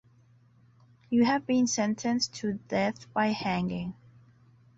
You have been sentenced to death by hanging.